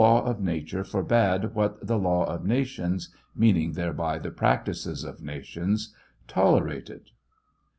v of nature forbade what the law of nations (meaning thereby the practices of nations) tolerated."